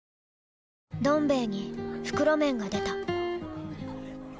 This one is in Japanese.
「どん兵衛」に袋麺が出た